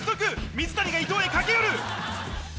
水谷が伊藤へ駆け寄る！